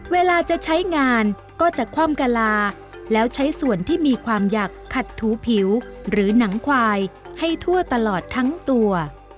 เวลาจะใช้งานก็จะคว่ำกะลาแล้วใช้ส่วนที่มีความอยากขัดถูผิวหรือหนังควายให้ทั่วตลอดทั้งตัว